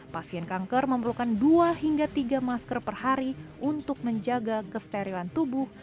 pasien kanker memerlukan dua hingga tiga masker per hari untuk menjaga kesterilan tubuh